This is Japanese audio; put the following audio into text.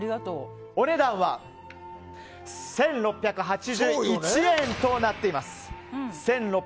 お値段は１６８１円となっています。